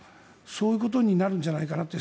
そういうことになるんじゃないかって。